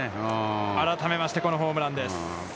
改めまして、このホームランです。